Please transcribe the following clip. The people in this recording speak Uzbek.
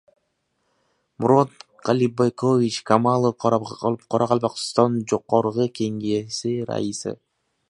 Murad Qallibekovich Kamalov – Qoraqalpog‘iston Jo‘qorg‘i Kengesi raisi